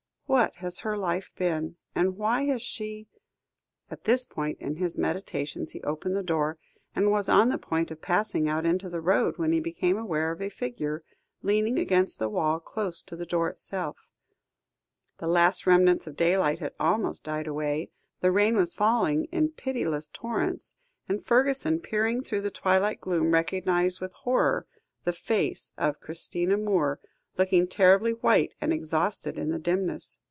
What has her life been? And why has she " At this point in his meditations he opened the door, and was on the point of passing out into the road, when he became aware of a figure, leaning against the wall close to the door itself. The last remnants of daylight had almost died away, the rain was falling in pitiless torrents, and Fergusson, peering through the twilight gloom, recognised with horror the face of Christina Moore, looking terribly white and exhausted in the dimness.